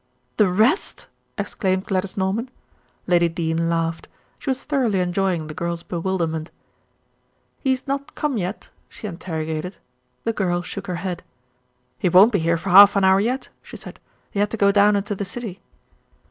"The rest!" exclaimed Gladys Norman. Lady Dene laughed. She was thoroughly enjoying the girl's bewilderment. "He's not come yet?" she interrogated. The girl shook her head. "He won't be here for half an hour yet," she said. "He had to go down into the city."